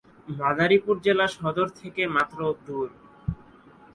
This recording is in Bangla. মাদারীপুর জেলা সদর থেকে মাত্র দূর।